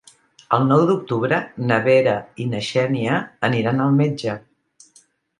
El nou d'octubre na Vera i na Xènia aniran al metge.